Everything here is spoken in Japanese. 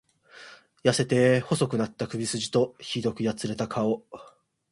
痩せて細くなった首すじと、酷くやつれた顔。